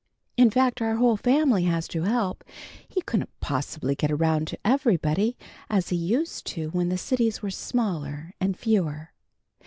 In fact our whole family has to help. He couldn't possibly get around to everybody as he used to when the cities were smaller and fewer.